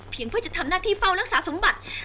เพื่อจะทำหน้าที่เฝ้ารักษาสมบัติ